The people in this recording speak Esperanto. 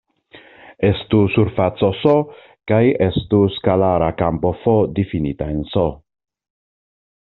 Estu surfaco "S" kaj estu skalara kampo "f" difinita en "S".